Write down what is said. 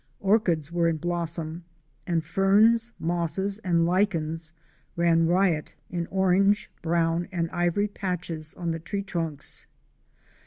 Orchids were in blossom, and ferns, mosses and lichens ran riot in orange, brown and ivory patches on the tree trunks.